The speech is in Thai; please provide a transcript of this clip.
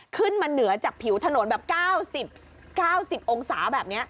ขึ้นมาเหนือจากผิวถนนแบบ๙๐๙๐องศาแบบนี้